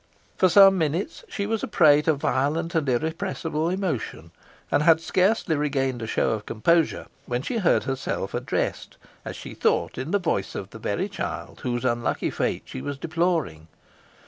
For some minutes she was a prey to violent and irrepressible emotion, and had scarcely regained a show of composure, when she heard herself addressed, as she thought, in the voice of the very child whose unlucky fate she was deploring.